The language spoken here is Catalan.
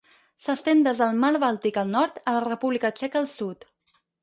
S'estén des del Mar Bàltic al nord a la República Txeca al sud.